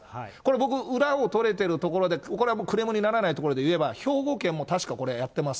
僕、裏を取れてるところでこれはもうクレームにならないところでいえば、兵庫県も確かこれ、やってます。